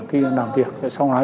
khi làm việc sau đó